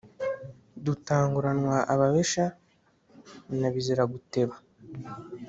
Dutanguranwa ababisha na Biziraguteba